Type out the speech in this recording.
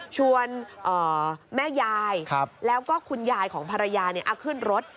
ชวนแม่ยายแล้วก็คุณยายของภรรยาขึ้นรถ